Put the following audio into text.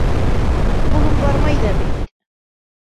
Ҡулым бармай ҙа бит.